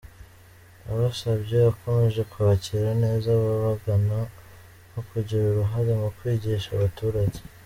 Yabasabye akomeje kwakira neza ababagana, no kugira uruhare mu kwigisha abaturage.